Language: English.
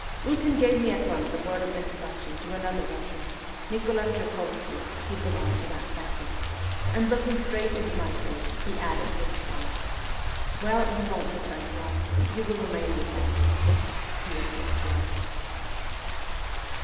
Ootin gave me at once a word of introduc tion to another Russian, Nicholas Joukovsky, who belonged to that section, and, looking straight into my face, he added with a sigh, ' Well, you won't return to us ; you will remain with them.' He had guessed right.